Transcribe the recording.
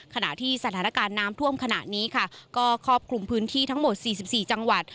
ขณะที่สถานการณ์น้ำท่วมขณะนี้ค่ะก็ครอบคลุมพื้นที่ทั้งหมด๔๔จังหวัด